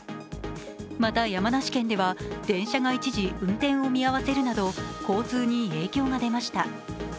また、山梨県では電車が一時運転を見合わせるなど交通に影響が出ました。